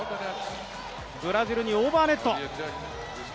ブラジルにオーバーネット。